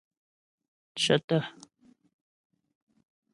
Cə̀tə̀.